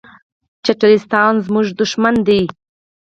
پاکستان زموږ دښمن ده.